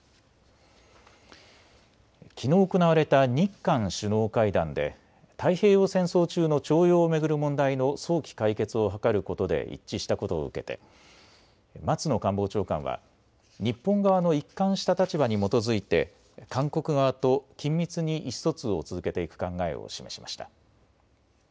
きのう行われた日韓首脳会談で太平洋戦争中の徴用を巡る問題の早期解決を図ることで一致したことを受けて松野官房長官は日本側の一貫した立場に基づいて韓国側と緊密に意思疎通を続けていく考えを示しました。